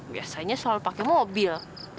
biasanya selalu pakai mobil